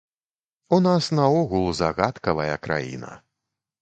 У нас наогул загадкавая краіна.